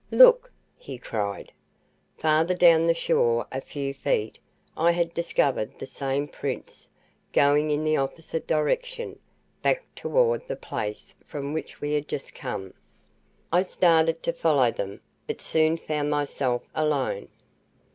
"Look!" he cried. Farther down the shore, a few feet, I had discovered the same prints, going in the opposite direction, back toward the place from which we had just come. I started to follow them, but soon found myself alone.